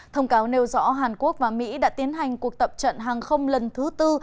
thông cáo nêu rõ hàn quốc và mỹ đã tiến hành cuộc tập trận hàng không lần thứ tư